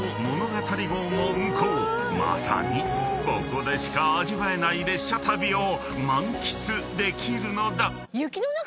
［まさにここでしか味わえない列車旅を満喫できるのだ］